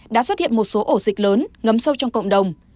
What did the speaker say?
đã xuất hiện một số ổ dịch lớn ngấm sâu trong cộng đồng